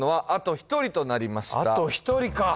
あと１人か